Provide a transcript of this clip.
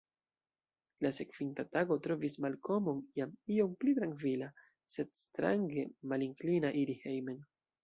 La sekvinta tago trovis Malkomon jam iom pli trankvila, sed strange malinklina iri hejmen.